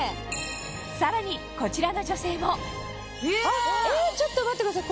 さらにこちらの女性もちょっと待ってください。